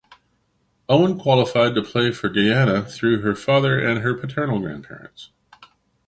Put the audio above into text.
Owen qualified to play for Guyana through her father and her paternal grandparents.